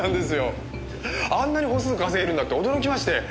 あんなに歩数稼げるんだって驚きまして。